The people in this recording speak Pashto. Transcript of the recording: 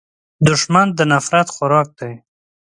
دښمن د نفرت خوراک دی